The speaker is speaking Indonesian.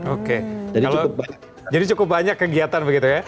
oke jadi cukup banyak kegiatan begitu ya